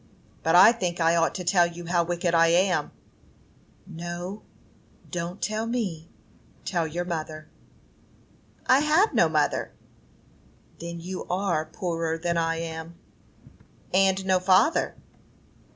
But I think I ought to tell you how wicked I am." "No, don't tell me; tell your mother." "I have no mother." "Then you are poorer than I am." "And no father."